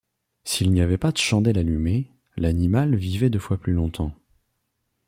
S'il n'y avait pas de chandelle allumée, l'animal vivait deux fois plus longtemps.